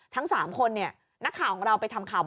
ทั้งสามคนเนี่ยนักข่าวของเราจะไปทำข่าว